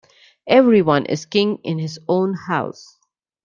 Every one is king in his own house.